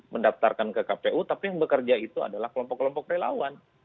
mendaftarkan ke kpu tapi yang bekerja itu adalah kelompok kelompok relawan